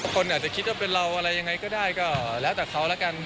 คนอาจจะคิดว่าเป็นเราอะไรยังไงก็ได้ก็แล้วแต่เขาแล้วกัน